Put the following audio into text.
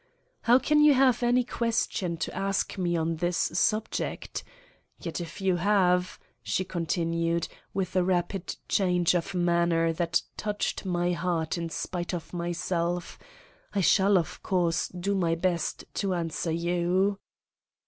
"How can you have any question to ask me on this subject? Yet if you have," she continued, with a rapid change of manner that touched my heart in spite of myself, "I shall, of course, do my best to answer you."